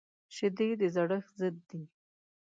شیدې د زړښت ضد دي